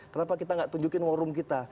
kenapa kita nggak tunjukin warung kita